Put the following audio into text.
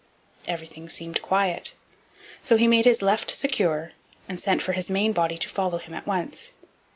Everything seemed quiet; so he made his left secure and sent for his main body to follow him at once.